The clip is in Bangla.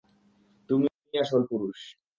তুমিই আসল পুরুষ।